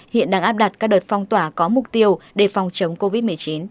hiện đang áp đặt các đợt phong tỏa có mục tiêu để phòng chống covid một mươi chín